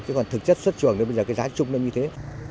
chứ còn thực chất xuất trường thì bây giờ cái giá trung lên như thế